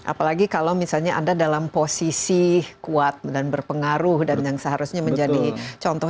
apalagi kalau misalnya anda dalam posisi kuat dan berpengaruh dan yang seharusnya menjadi contoh